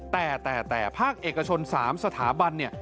แต่พากฯเอกชนสามสถาบัน